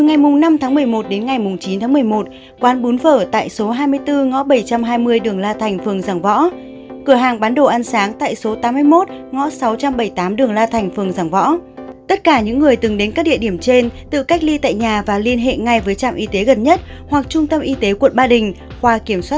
ngày một một mươi một đến ngày sáu một mươi một từ một mươi sáu h bốn mươi năm đến một mươi bảy h bốn mươi năm trên tuyến xe buýt số hai mươi hai a từ một trăm một mươi năm trần duy hưng về cửa bắc